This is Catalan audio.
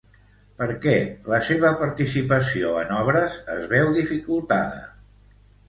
Per què la seva participació en obres es veu dificultada?